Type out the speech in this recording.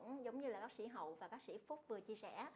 cũng giống như là bác sĩ hậu và bác sĩ phúc vừa chia sẻ